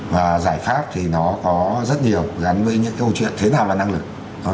và giải pháp thì nó có rất nhiều gắn với những câu chuyện thế nào là năng lực